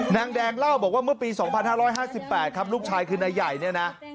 นางแดงเล่าบอกว่าเมื่อปีสองพันห้าร้อยห้าสิบแปดครับลูกชายคือนายใหญ่เนี่ยนะ